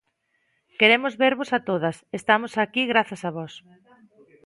Queremos vervos a todas, estamos aquí grazas a vós.